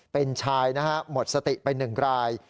เป็นชายนะฮะหมดสติไป๑ราย